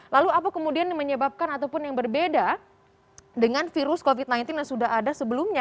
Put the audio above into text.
lalu apa kemudian yang menyebabkan ataupun yang berbeda dengan virus covid sembilan belas yang sudah ada sebelumnya